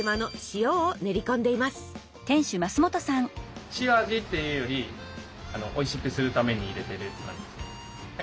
塩味っていうよりおいしくするために入れてるって感じ。